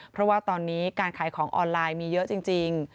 เพราะว่าตอนนี้การขายของออนไลน์มีเยอะจริง